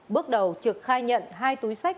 bước đầu trực khai nhận hai túi sách